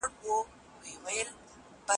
د لویې جرګي د جوړولو رسمي غوښتنه څوک کوي؟